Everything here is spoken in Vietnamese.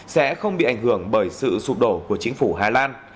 sẽ không bị ảnh hưởng bởi sự sụp đổ của chính phủ hà lan